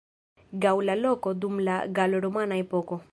Gaŭla loko dum la galo-romana epoko.